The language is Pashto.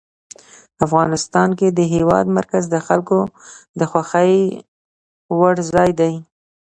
افغانستان کې د هېواد مرکز د خلکو د خوښې وړ ځای دی.